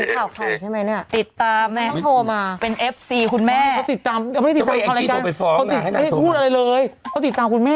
การาบูนมันคือการาบูน